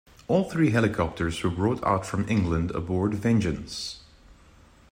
All three helicopters were brought out from England aboard "Vengeance".